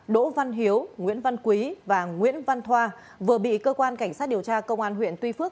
đỗ văn hiếu nguyễn văn quý và nguyễn văn thoa vừa bị cơ quan cảnh sát điều tra công an huyện tuy phước